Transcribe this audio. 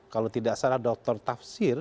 kalau tidak salah dr tafsir